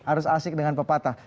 harus asik dengan pepatah